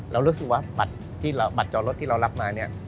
เรารู้สึกว่าบัตรจอรถที่เรารับมาเนี่ย